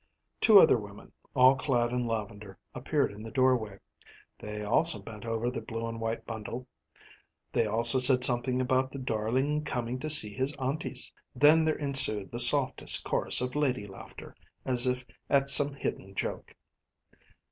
Two other women, all clad in lavender, appeared in the doorway. They also bent over the blue and white bundle. They also said something about the darling coming to see his aunties. Then there ensued the softest chorus of lady laughter, as if at some hidden joke.